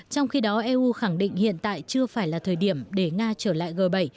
trong khi đó eu khẳng định hiện tại chưa phải là thời điểm để nga trở lại g bảy